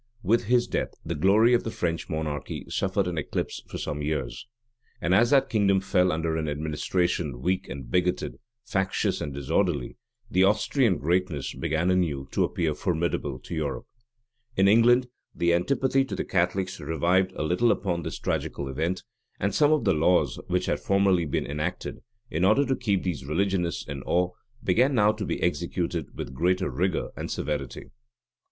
With his death, the glory of the French monarchy suffered an eclipse for some years; and as that kingdom fell under an administration weak and bigoted, factious and disorderly, the Austrian greatness began anew to appear formidable to Europe. In England, the antipathy to the Catholics revived a little upon this tragical event; and some of the laws which had formerly been enacted, in order to keep these religionists in awe, began now to be executed with greater rigor and severity.